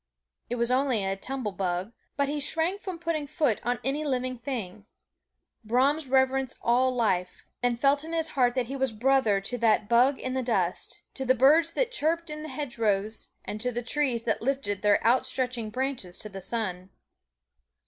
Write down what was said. It was only a tumblebug, but he shrank from putting foot on any living thing. Brahms reverenced all life, and felt in his heart that he was brother to that bug in the dust, to the birds that chirruped in the hedgerows, and to the trees that lifted their outstretching branches to the sun.